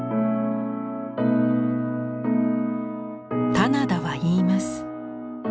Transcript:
棚田は言います。